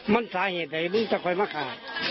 มันสาเหตุไหนมึงจะคอยมาขาด